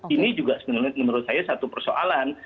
ini juga menurut saya satu persoalan